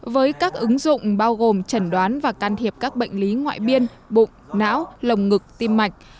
với các ứng dụng bao gồm trần đoán và can thiệp các bệnh lý ngoại biên bụng não lồng ngực tim mạch